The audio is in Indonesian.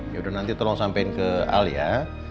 yaudah nanti tolong sampein ke al ya